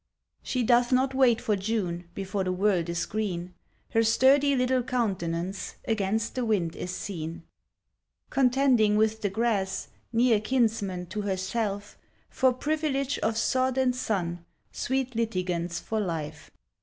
She doth not wait for June; Before the world is green Her sturdy little countenance Against the wind is seen, Contending with the grass, Near kinsman to herself, For privilege of sod and sun, Sweet litigants for life.